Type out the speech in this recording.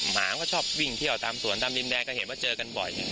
หมามันก็ชอบวิ่งเที่ยวตามสวนตามดินแดงก็เห็นว่าเจอกันบ่อย